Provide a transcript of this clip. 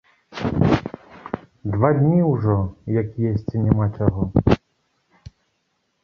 Два дні ўжо, як есці няма чаго.